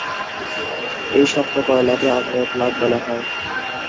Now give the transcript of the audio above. এই শক্ত কয়লাকে আগ্নেয় প্লাগ বলা হয়।